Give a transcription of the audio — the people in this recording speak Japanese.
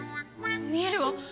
見えるわ！